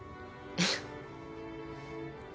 えっ！